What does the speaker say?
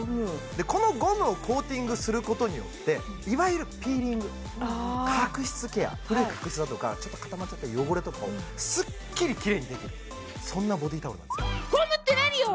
このゴムをコーティングすることによっていわゆるピーリング角質ケア古い角質だとかちょっと固まっちゃった汚れとかをすっきりキレイにできるそんなボディータオルなんです